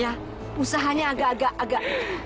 ya usahanya agak agak